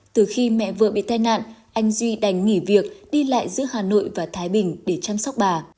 từ khi mẹ vừa bị tai nạn anh duy đành nghỉ việc đi lại giữa hà nội và thái bình để chăm sóc bà